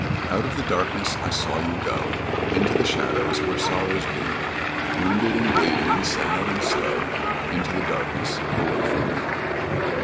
"Out of the darkness I saw you go, Into the shadows where sorrows be, Wounded and bleeding, and sad and slow, Into the darkness away from me.